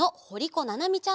ななみちゃん。